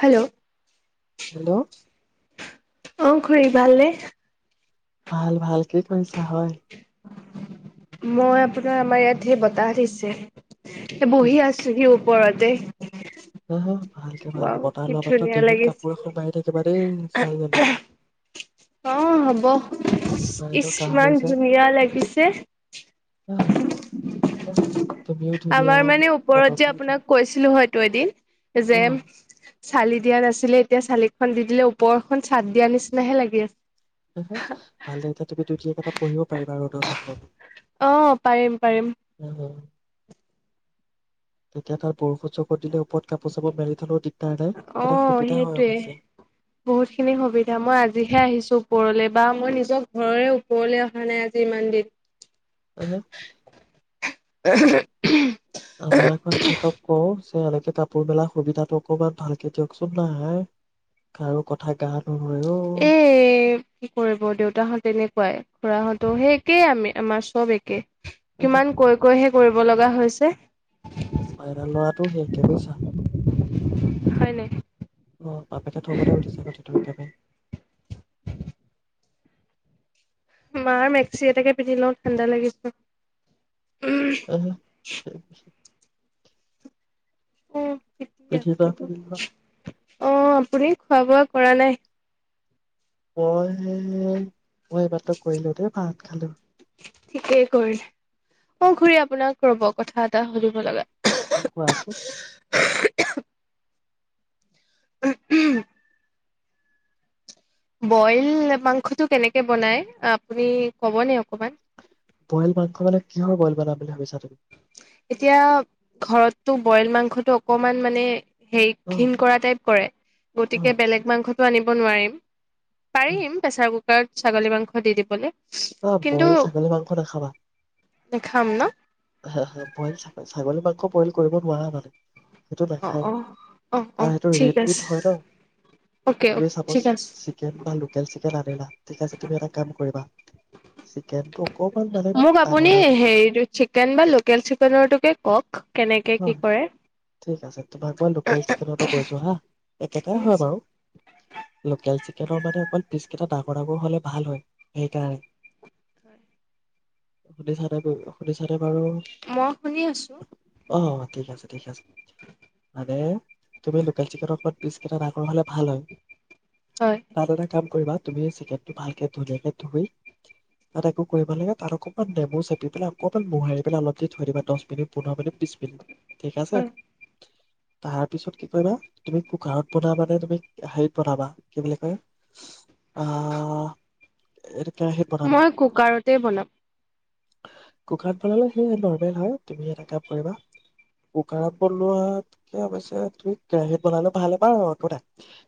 Hello. Hello. অহ, খুৰী ভাল নে? ভাল, ভাল কি কৰিছা হয়? মই আপোনাৰ আমাৰ ইয়াত সেই বতাহ দিছে। এ বহি আছি অ'। পৰতে অহ। ভালকে, ভালকে বতাহ কি লোৱা [unintelligible] ধুনীয়া ডিঙিত লাগিছে কাপোৰ এখন মাৰি থাকিবা দেই, ছোৱালীজনী। তোমাৰ এনেও ইচ্! কাহ হৈ ইমান আছে ধুনীয়া লাগিছে। হা তুমিও ধুনীয়া আমাৰ মানে ওপৰত যে বতৰটো আপোনাক ধুনীয়া কৈছিলোঁ হয়তো এদিন, অ যে, চালি দিয়া নাছিলে, এতিয়া চালিখন দি দিলে, ওপৰখন চাদ দিয়া নিচিননাহে লাগি আছে। ভালেই, এতিয়া তুমি ধুনীয়াকে তাত পঢ়িব পাৰিবা ৰ'দৰ তাপত। অ পাৰিম, পাৰিম। তেতিয়া তাত বৰষুৎ চকত দিলে ওপৰত কাপোৰ চাপোৰ মেলি থলেও দিগদাৰ নাই অ তেতিয়া সুবিধা হয় সেইটোৱে অৱশ্যে বহুত খিনি সুবিধা মই আজিহে আহিছো ওপৰলে বা মই নিজৰ ঘৰৰে ওপৰলৈ অহা নাই আজি ইমান দিন হেল্ল' উ [unintelligible] আমাৰ আকৌ এখেতৰ পষ্ট এনেকে কাপোৰ মেলাৰ সুবিধাটো অকণমান ভালকে দিয়কচোন, নাই কাৰো কথা গাত এ কি কৰিব দেউতাহঁত তেনেকুৱাই খুৰাহঁতো সেই একেই আমি আমাৰ চব একে অ কিমান কৈ কৈ হে কৰিব লগা হৈছে পাইৰা ল'ৰাটো সে একে বুজিছা [unintelligible] হয় নেকি অ বাপেকে থবতে উঠিছে কথাটো একেবাৰে মাৰ মেক্সি এটাকে পিন্ধি লওঁ ঠাণ্ডা লাগিছে। অ ঠ আ [unintelligible] [unintelligible] অ পিটি আছে অ [unintelligible] আপুনি খোৱা বোৱা কৰা নাই। মই, মই এইমাত্ৰ কৰিলো দেই ভাত খালো। ঠিকেই কৰিলে, অ' খুৰী আপোনাক ৰ'ব কথা এটা সুধিব লগা কোৱাচোন উম' উম' বইল মাংসটো কেনেকে বনাই আপুনি ক'বনে অকণমান। বইল মাংস মানে, কিহৰ বইল বনাম বুলি ভাবিছা তুমি? এতিয়া ঘৰটো বইল মাংসটো অকণমান মানে হেৰি অ ঘিণ কৰা টাইপ কৰে, অ গতিকে বেলেগ মাংসটো আনিব অ' নোৱাৰিম। পাৰিম প্ৰেছাৰ কুকা কুকাৰত ছাগলী মাংস দি দিবলে অ' বইল ছাগলী মাংস নাখাবা নেখাম ন হা হা বইল ছাগ ছাগলী মাংস বইল কৰিব নোৱাৰা মানে সেইটো নাখায়, অ অ অ কাৰণ এইটো ঠিক আছে ৰেডমিত হয় ন অ'কে তুমি অ'কে চাপ'জ ঠিক আছে চিকেন বা লোকেল চিকেন আনিলা, ঠিক আছে তুমি এটা কাম কৰিবা চিকেনটো অকণমান মানে মোক আপুনি ডাঙৰ ডাঙৰকে হেৰিটো চিকেন বা লোকেল চিকেনৰটোকে কওঁক। অ' ঠিক আছে, তোমাক বাৰু লোকেল চিকেনৰটো কৈছোঁ হা, একেটাই হয় বাৰু লোকেল চিকেন চিকেনৰ মানে অকণ পিছ কেইটা ডাঙৰ ডাঙৰ হ'লে ভাল হয় সেইকাৰণে, শুনি চানে বাৰু শুনি চানে। মই শুনি আছো। অ ঠিক আছে ঠিক আছে, মানে তুমি লোকেল চিকেনত পিছ কেইটা ডাঙৰ হ'লে ভাল হয় হয় ভাল এটা কাম কৰিবা তুমি চিকেনটো ভালকে ধুনীয়াকে ধুই তাত একো কৰিব লাগে তাত অকমান নেমু চেপি পেলাই অকমান মোহাৰি পেলাই অলপ দি থৈ দিবা দহ মিনিট পুনৰ ম ঠিক আছে হয় তাৰ পিছত কি কৰিবা তুমি কুকাৰত বনাবা নে তুমি হেৰিত বনাবা কি বুলি কয় আহ কেৰাহীত বনাবা মই কুকাৰতে বনাম কুকাৰত বনালে সে নৰ্মেল হয় তুমি এটা কাম কৰিবা কুকাৰত বনোৱাতকে অৱশ্যে তুমি কেৰাহিত বনালে ভাল বাৰ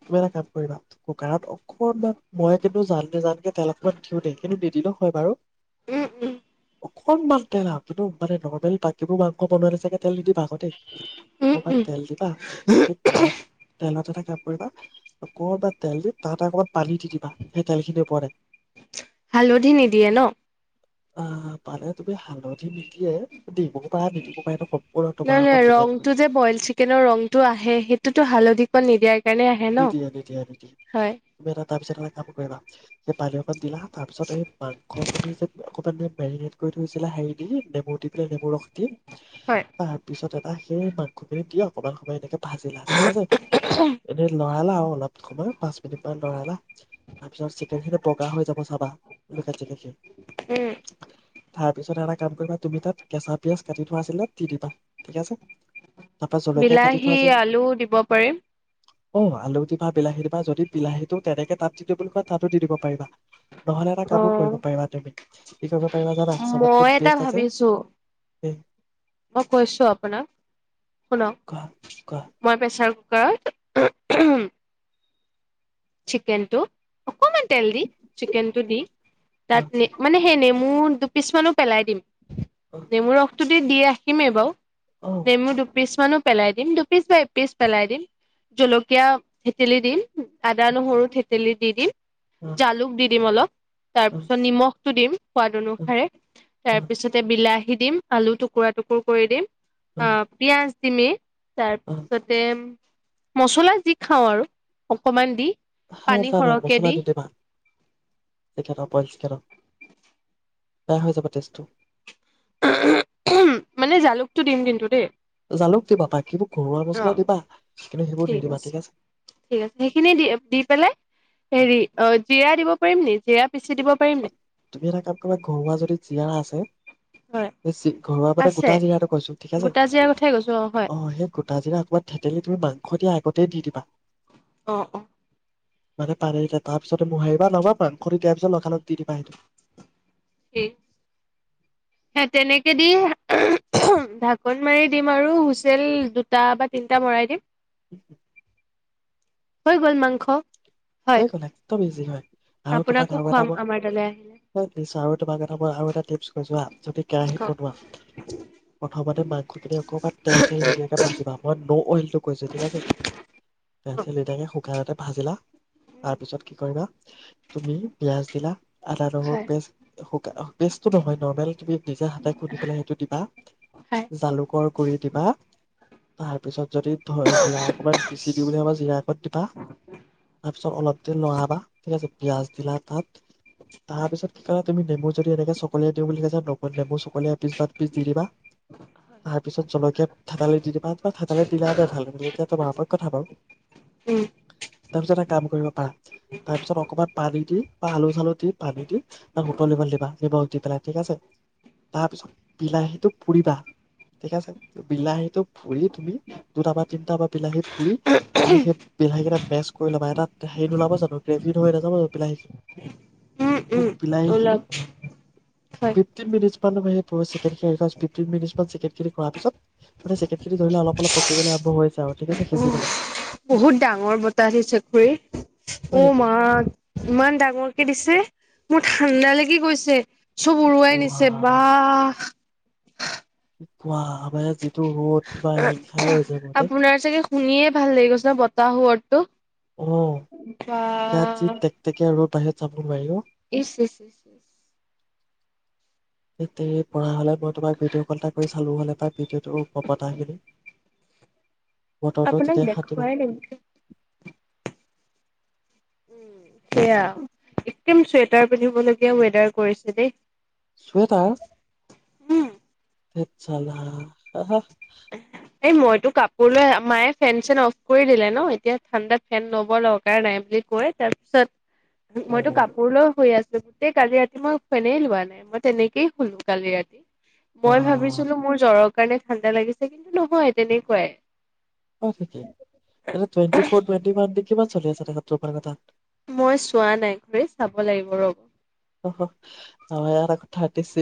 তুমি এটা কাম কৰিবা কুকাৰত অকনমান মই কিন্তু জান জানকে তেল অকমান দিও দ কিন্তু দি দিলে হয় বাৰু উম উম অকনমান তেল আৰু কিন্তু মানে নৰ্মেল বাকীবোৰ মাংস বনাল নে চাগে তেল দি দিবা আগতে উম অকণমান উম তেল দিবা সেই তেলত তেলত এটা কাম কৰিবা অক তেল দি তাতে অকণমান পানী দি দিবা সেই তেলখিনিৰ ওপৰে হালধি নিদিয়ে ন আহ মানে তুমি হালধি নিদিয়ে দিব পাৰা নিদিব পাৰ নম নাই নাই ৰংটো যে বইল চিকেনৰ ৰংটো আহে সেইটোতো হালধি কোৱা নিদিয়া নি দিয় নি দিয় দদম তাৰ পিছত এ কাম কা স পালি পত দিলা তাৰ পিছত এই মাংসখিনি যে অকণমান মেৰিনেট কৰি থৈছিলে হেৰিী দি নেমুঠ দি পেলাই বৰশ দি হয় তাৰপিছত তা সেই মাংসখিনি দিিয় অকনমান সময় এনেকে বাজে ল ঠিক আছে লৰাইলা অলপ সময় পাঁচ মিনিট মান লৰাইলা তাৰ পিছত চিকেন খিনি বগা হৈ যাব চাবাাখি উম তাৰ পিছত এটা কাম কৰিবা তুমি তাত কেঁচা পিয়াজ কাটি থোৱা আছিল ন দি দিবা ঠিক আছে তাৰপৰা জলকীয়া কাটি বিলাহী থোৱা আছে আলু দিব পাৰিম অ আলু দিবা বিলাহী দিবা যদি বিলাহীটো তেনেকে তাত দি দিওঁ বুলি কয় তাতো দি দিব পাৰিবা নহ'লে এটা কামো কৰিব অ', পাৰিবা তুমি কি কৰিব পাৰিবা জাদা মই এটা ভাবিছো এই মই কৈছো আপোনাক কোৱা কোৱা মই প্ৰেচাৰ ক চিকেন টো অকমান তেল দি চিকেন টো দি অ তাত মানে সেই নেমু মোৰ দুপিছ মানো পেলাই দিম অ নেমুৰ ৰসটোত দি ৰাখিমেই বাৰু। অ নেমু দুপিছ। কিমানমানো পেলাই দিম! দুপিচ বা এপিচ পেলাই দিম। জলকীয়া, তেতেলী দিম। আদা, নহৰু থেতেলি দি দিম। অ অ জালুক দি দিম অলপ। তাৰ পিছত নিমখ টো দিম। সোৱাদ অ অনুসাৰে। অ তাৰপিছতে বিলাহ দি দিম আলু টুকুৰা টুকুৰ কৰি দিম। অ', পিয়াজ তিমি অ তাৰপিছতে মচলা যি খাওঁ আৰু। সমান দি। হা পানী ত না সৰহকে মছলা দি দিদি ভাত চিকন পইল চিকেন বেয়া হৈ যাব টেজটো। মানে জালুকটো দিম কিন্তু দেই। জালুক দিবা বাকীবোৰ ঘৰুৱা মছলা অ', দিবা কিন্তু সেইবোৰ ঠিক নিদিবা আছে, ঠিক আছে সেইখিনি দি দি পেলাই হেৰি অ', জিৰা দিব পাৰিম নেকি? দিয়া। অ', তুমি এটা কাম কৰিবা ঘৰুৱা যদি জীৰা আছে। হয় ঘৰুৱা পতে আছে গোটা জিৰাটো কৈছো ঠিক আছে গোটা জিৰাৰ কথাই কৈছো হয় অ', সেই গোটা জিৰা অকণমান থেতেলি তুমি মাংস দিয়া আগতেই দি দিবা। অ', অ'। মানে পানী তাৰ পিছত মোহাৰিবা নবা খৰি দিয়াৰ পিছত লগত দি দিবা সেইটো। হেই হে, তেনেকে দি ঢাকন মাৰি দিম আৰু হুইছেইল দুটা বা তিনটা মৰাই দিম। উম। হৈ গ'ল মাংস। হয় হৈ গ'ল, একদম ইজি হয়। আৰু তোমাক আপোনাকো আৰু এটা খুৱাম মই আমাৰ তালৈ আহিলে [unintelligible] আৰু তোমাক এটা মই আৰু এটা টিপছ কৈছোঁ হা, যদি কেৰাহিত খাওক বনোৱা, প্ৰথমতে মাংসখিনি অকমান তেল চেল নিদিয়াকে ভাজিবা। মই ন' অইল তোক কৈছে, ঠিক আছে। [unintelligible] শুকান [unintelligible] ভাজিলা? তাৰপিছত কি কৰিবা, তুমি পিয়াজ দিলা আদা, নহৰু হয় পেষ্ট শুক, পেষ্টটো নহয়, নৰ্মেল তুমি নিজে হাতে খুন্দি পেলাই সেইটো দিবা, হয় জালুকৰ গুৰি দিবা তাৰ পিছত যদি ধ জিৰা ককবাত পিচি দি বুলি ভবা জিৰা কত দিবা ছত অলপ দেই লৰাবা পিয়াজ দিলা তাত তাৰ পিছত কি কইলা তুমি নেমু যদি এনেকে চকলিয়াই দিও বুলি কৈছা নেমু চকলিয় এক পিচ বা দুপিচ দি দিবা তাৰ পিছত জলকীয়াত থেতালি দি দিবা থেতালি দিলা দে এতিয়া তোমাৰ ওপৰত কথা বাওঁ উম তাৰিছত কাম কৰিব পাৰা তাৰ পিছত অকমান পানী দি বা আলু চালু দি পানী দি তাত উুতলিব দিবা নিমস দি পেলাই ঠিক আছে তাৰ পিছত বিলাহীটো পুৰিবা ঠিক আছে বিলাহীতটো পুৰি তুমি দুটা বা তিনটা বা বিলাহী পুৰি তুমি সেই বিলাহী কেইটা পেছ কৰি ল'বা এটা সেই নোলাব জানো্ গ্ৰেভী হৈ নাযাব জানো বিলাহী উম সেই উম বিলাহী খিনি ওলাওক হয় ফিফটিন মিনিট [unintelligible] সেই চিকেন [inaudible] ফিফটিন মিনিট মান চিকেনখিনি কৰা পিছত মানে চিকেন খিনি ধৰি লোৱা অলপ অল পকিবলৈ আৰম্ভ হৈছে আৰু ঠিক আছে সিজিবলৈ বহুত ডাঙৰ বতাহ দিছে [unintelligible] অ হয় নেকি মা ইমান ডাঙৰকে দিছে মোৰ ঠাণ্ডা লাগি গৈছে চব উৰুৱাই ৱা নিছে বাহ কোৱা [unintelligible] টো ৰদ বা [unintelligible] হৈ যাব দেই আপোনাৰ চাগে শুনিয়ে ভাল লাগি গৈছে ন বতাহ ৱৰ্ডটো অ ইয়াত বাহ যি তেক তেকিয়া ৰদ আহে চাব নোৱাৰি অ ইচ এছ এ ই তেৰি পৰা হ'লে মই তোমাক ভিডিঅ' কল এটা কৰি চালোঁ হ'লে পাই ভিডিঅ'টোৰ বতাহখিনি বতৰটো আপোনাক তেতিয়া শান্তি পালো দেখুৱাই [unintelligible] উম সেয়া একদম চুৱেটাৰ পিন্ধিবলগীয়া ৱেডাৰ কৰিছে দেই চুৱেটাৰ উম, তে চালা [unintelligible] এই মইতো কাপোৰ লৈ মায়ে ফেন চেন অফ কৰি দিলে ন এতিয়া ঠাণ্ডা ফেন ল'ব দৰকাৰ নাই বুলি কৈ তাৰপিছত অ মইতো কাপোৰ লৈও শুই আছো গোটেই কালি ৰাতি মই ফেনেই লোৱা নাই মই তেনেকেই শুলো কালি ৰাতি বা মই ভাবিছিলো মোৰ জ্বৰক কাৰণে ঠাণ্ডা লাগিছে কি নহয় তেনেকুৱাই এতিয়া টুৱেন্টি ফৰ টুৱেন্টি দি কিমান চলি আছে [unintelligible] মই চোৱা নাই ঘৰি চাব লাগিব ৰ'ব অয়াৰ কথা হাতিছে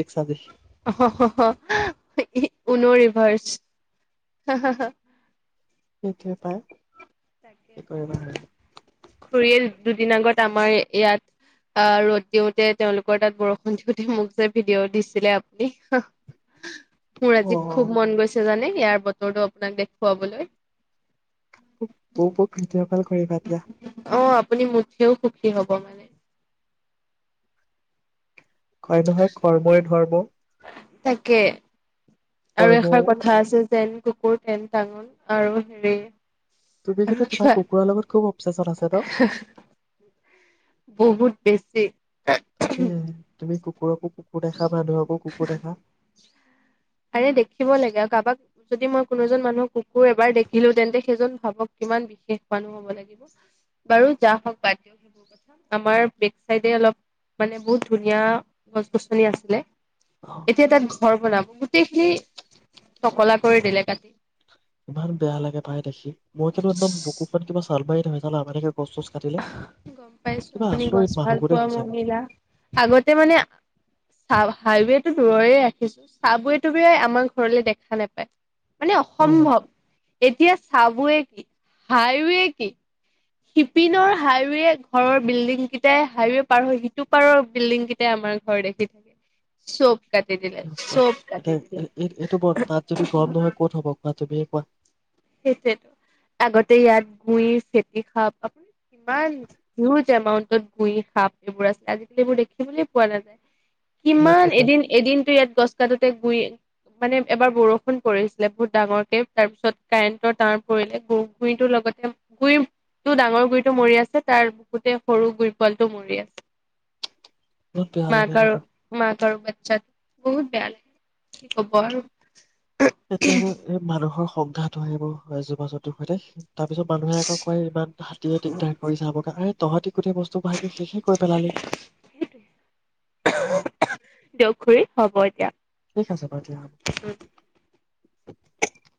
অ হ হ হ ঊন ৰিভাৰ্চ হ হ হা সেইটোৱে পাই তাকে কি কৰিবা আৰু খৰিয়েল দুদিন আগত আমাৰ ইয়াত অহ ৰ'দ দিওঁতে তেওঁলোকৰ তাত বৰষুণ দিওঁতে মোক যে ভিডিঅ' দিছিলে আপুনি মোৰ অ আজিত খুব মন গৈছে জানে ইয়াৰ বতৰটো আপোনাক দেখুৱাবলৈ বো বোক ভিডিঅ' কল কৰিবা দিয়া অ আপুনি মুঠেও সুখী হ'ব মানে হয় নহয় কৰ্মই ধৰ্ম তাকে আৰু কৰ্ম এষাৰ কথা আছে যেন কুকুৰ ঘেন টাঙন আৰু হেৰি তুমি কি আৰু তোমাৰ কিবা কুকুৰৰ লগত খুব অৱচেচন আছে ন বহুত বেছি তাকে তুমি ক কুকুৰকো কুকুৰ দেখা মানুহকো কুকুৰ দেখা আৰে দেখিব লাগে কাৰোবাক যদি মই কোনো এজন মানুহৰ কুকুৰ এবাৰ দেখিলো তেন্তে সেইজন ভাবক কিমান বিশেষ মানুহ হ'ব লাগিব বাৰু যা হওক বাদ দিও সেইবোৰ কথা আমাৰ বেক চাইড অলপ মানে বহুত ধুনীয়া গছ গছনি আছিলে অ এতিয়া তাত ঘৰ বনাব গোটেইখিনি টকলা কৰি দিলে কাটি ইমান বেয়া লাগে পাই দেখি মই কিন্তু একদম বুকুখন কিবা চালমাৰি ধৰা নিচিনা [unintelligible] গম পাইছো আপুনি গছ ভাল মানুহবোৰ দেই পোৱা সঁচাকে মহিলা আগতে মানে হাই হাইৱেটো দূৰৰে ৰাখিছো চাবৱেটো আমাৰ ঘৰলে দেখা নেপায় মানে অ অসম্ভৱ এতিয়া চাবয়ে কি হায়ৱে কি শিপিনৰ হাইৱে ঘৰৰ বিল্ডিং কেইটাই হাইৱে পাৰ হৈ সিটো পাৰৰ বিল্ডিং কেইটাই আমাৰ ঘৰ দেখি থাকে চব কাটি দিলে চোৱা চব কাটি দিলে এ এইটো তাত যদি গৰম নহয় ক'ত হব কোৱা তুমি হয় সেইটোয়েতো আগতে ইয়াত গু়ই ফেতি সাপ আপোনাৰ কিমান হিউজ এমাউন্টত গুইৰ সাপ এইবোৰ আছিল আজিকালি এইবোৰ দেখিবলৈ পোৱা নাযায় কিমান সেইটোতে এদিন এদিনতো ইয়াত গছ কাতোতে গুই মানে এবাৰ বৰষুণ পৰিছিলে বহুত ডাঙৰকে তাৰ পিছত কাৰেণ্টৰ তাঁৰ পৰিলে গুইটোৰ লগতে গুইটো ডাঙৰ গুইটো মৰি আছে তাৰ গুৰিতেই সৰু গুইৰ পোৱলটোও মৰি আছে বহুত বেয়া লাগে মাক ন মাক আৰু বাচ্চা বহুত বেয়া লাগে। কি তেতিয়া যে খবৰ? এই মানুহৰ সংঘাত হ, য় সেইবোৰ জীৱ জন্তুৰ সৈতে তাৰ পিছত মানুহে আকৌ কয় ইমান হাতীয়ে দিগদাৰ কৰিছে [unintelligible] তহঁতি গোটেই বস্তু ভাঙি শেষে কৰি পেলালি। সেইটোৱে দিয়ক খুৰী, হ'ব এতিয়া। ঠিক আছে বাৰু দিয়া। [inaudible]